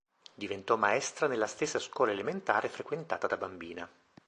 Diventò maestra nella stessa scuola elementare frequentata da bambina.